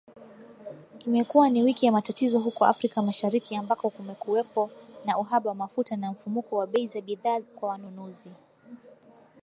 Imekuwa ni wiki ya matatizo huko Afrika Mashariki ambako kumekuwepo na uhaba wa mafuta na mfumuko wa bei za bidhaa kwa wanunuzi